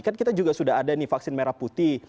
kan kita juga sudah ada nih vaksin merah putih